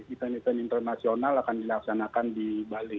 event event internasional akan dilaksanakan di bali